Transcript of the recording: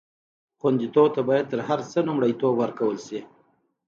خوندیتوب ته باید تر هر څه لومړیتوب ورکړل شي.